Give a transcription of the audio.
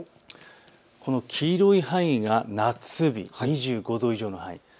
この黄色い範囲が夏日、２５度以上の範囲。